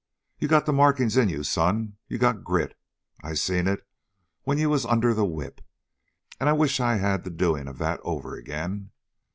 You got the markings in you, son. You got grit. I seen it when you was under the whip, and I wish I had the doing of that over again.